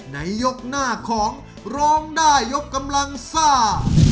ในยกหน้าของร้องได้ยกกำลังซ่า